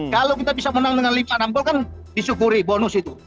kalau kita bisa menang dengan lima enam gol kan disyukuri bonus itu